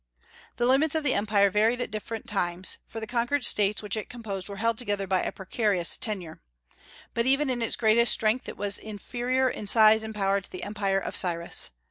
The limits of the empire varied at different times, for the conquered States which composed it were held together by a precarious tenure. But even in its greatest strength it was inferior in size and power to the Empire of Cyrus.